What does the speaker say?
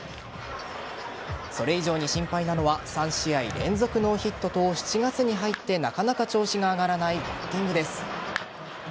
それ以上に心配なのは３試合連続ノーヒットと７月に入ってなかなか調子が上がらないバッティングです。